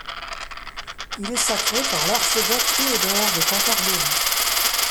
Il est sacré par l'archevêque Théodore de Cantorbéry.